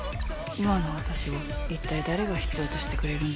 今の私を一体誰が必要としてくれるんだろう。